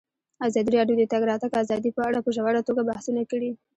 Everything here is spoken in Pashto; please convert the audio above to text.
ازادي راډیو د د تګ راتګ ازادي په اړه په ژوره توګه بحثونه کړي.